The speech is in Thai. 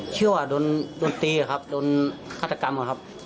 เชื่อว่าดนตีเขาดนทัศนกรรม